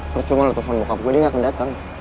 percuma lu telepon bokap gue dia nggak akan dateng